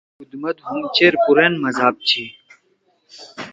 بدھ مت ہُم چیر پُرأن مذہب چھی۔